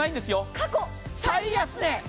過去最安値！